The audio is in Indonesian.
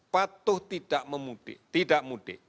patuh tidak mudik